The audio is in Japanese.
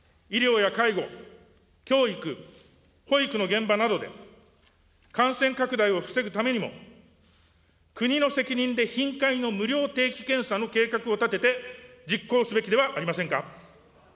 医療や介護、教育、保育の現場などで、感染拡大を防ぐためにも、国の責任で頻回の無料定期検査の計画を立てて実行すべきではありませんか。